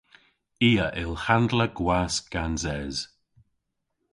I a yll handla gwask gans es.